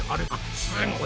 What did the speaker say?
すごい。